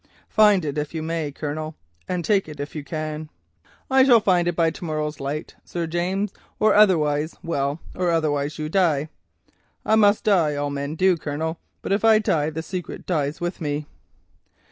Find it if you may, Colonel, and take it if you can.' "'I shall find it by to morrow's light, Sir James, or otherwise—or otherwise you die.' "'I must die—all men do, Colonel, but if I die, the secret dies with me.